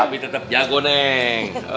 tapi tetap jago neng